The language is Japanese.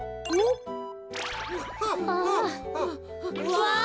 わあ！